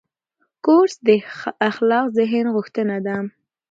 کورس د خلاق ذهن غوښتنه ده.